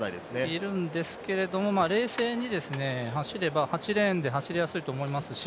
いるんですけど、冷静に走れば８レーンで走りやすいと思いますし